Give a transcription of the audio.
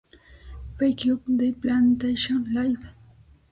Pack Up the Plantation: Live!